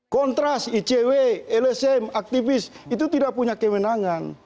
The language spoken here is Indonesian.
kontras icw lsm aktivis itu tidak punya kewenangan